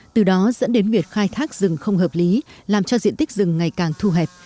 từ đó dẫn đến việc khai thác rừng không hợp lý làm cho diện tích rừng ngày càng thu hẹp